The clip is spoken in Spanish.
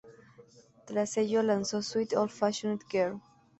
Tras ello lanzó "Sweet Old-Fashioned Girl.